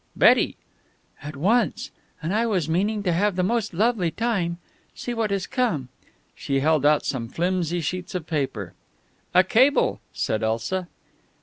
"Betty!" "At once. And I was meaning to have the most lovely time. See what has come!" She held out some flimsy sheets of paper. "A cable!" said Elsa.